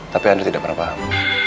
tapi anda tidak pernah paham